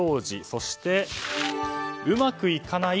そして、うまくいかない？